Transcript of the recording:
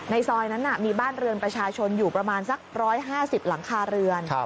ซอยนั้นมีบ้านเรือนประชาชนอยู่ประมาณสัก๑๕๐หลังคาเรือน